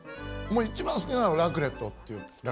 一番好きなのはラクレットチーズっていう。